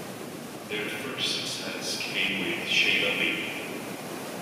Their first success came with "Sheila Baby".